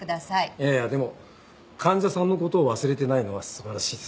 いやいやでも患者さんの事を忘れてないのは素晴らしいです。